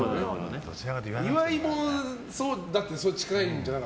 岩井も近いんじゃない？